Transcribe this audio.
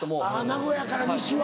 名古屋から西は。